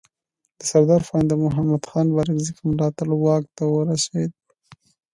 د سردار پاینده محمد خان بارکزي په ملاتړ واک ته ورسېد.